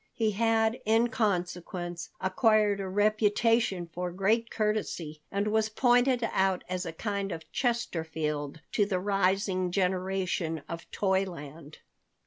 He had, in consequence, acquired a reputation for great courtesy, and was pointed out as a kind of Chesterfield to the rising generation of Toyland.